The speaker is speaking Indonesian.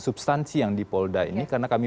substansi yang di polda ini karena kami